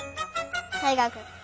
たいがくん。